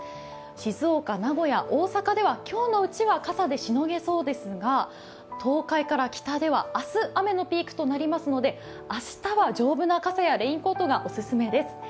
静岡、名古屋、大阪では今日のうちは傘でしのげそうですが、東海から北では明日、雨のピークとなりますので明日は丈夫な傘やレインコートがお勧めです。